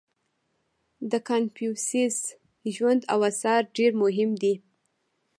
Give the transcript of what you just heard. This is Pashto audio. • د کنفوسیوس ژوند او آثار ډېر مهم دي.